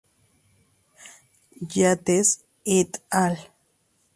Yates "et al.